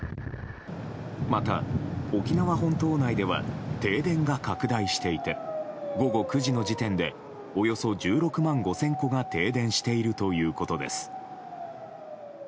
また、沖縄本島内では停電が拡大していて午後９時の時点でおよそ１６万５０００戸が停電しているということです。